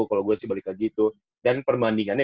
kalau gue sih balik lagi itu dan perbandingannya